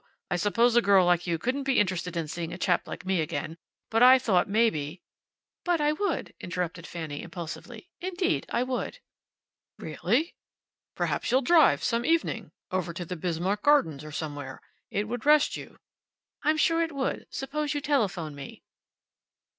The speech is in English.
I suppose a girl like you couldn't be interested in seeing a chap like me again, but I thought maybe " "But I would," interrupted Fanny, impulsively. "Indeed I would." "Really! Perhaps you'll drive, some evening. Over to the Bismarck Gardens, or somewhere. It would rest you." "I'm sure it would. Suppose you telephone me."